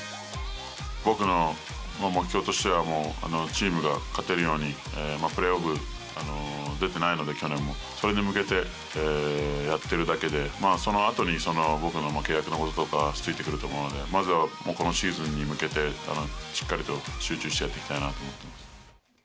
僕の目標としてはもう、チームが勝てるように、プレーオフ出てないので去年も、それに向けて、やってるだけで、そのあとに僕の契約のこととかついてくると思うので、まずはこのシーズンに向けて、しっかりと集中してやっていきたいなと思っています。